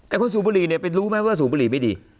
คนสูบบุหรี่เนี่ยเป็นรู้ไหมว่าสูบบุหรี่ไม่ดี